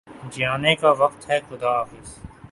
جانے کا وقت ہےخدا حافظ